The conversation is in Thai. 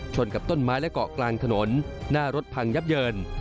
กับต้นไม้และเกาะกลางถนนหน้ารถพังยับเยิน